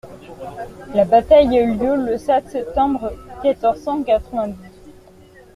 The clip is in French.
La bataille a eu lieu le sept septembre quatorze cent quatre-vingt-douze.